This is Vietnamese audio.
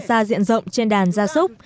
xa diện rộng trên đàn gia súc